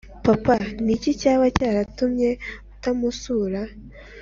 papa n’iki cyaba cyaratumye utamusura